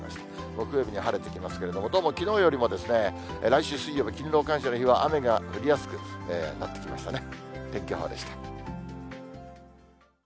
木曜日に晴れてきますけれども、どうもきのうよりも、来週水曜日、勤労感謝の日は雨が降りやすくなってきましたね。